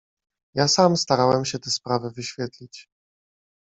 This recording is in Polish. "Ja sam starałem się tę sprawę wyświetlić."